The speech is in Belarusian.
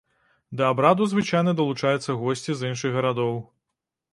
Да абраду звычайна далучаюцца госці з іншых гарадоў.